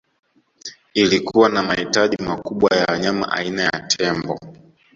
Ilikuwa na mahitaji makubwa ya wanyama aina ya tembo